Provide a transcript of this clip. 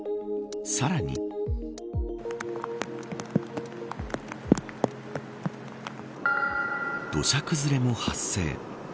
さらに土砂崩れも発生。